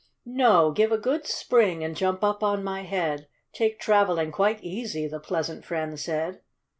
"No! give a good spring, and jump up on my head; Take travelling quite easy," the pleasant friend said.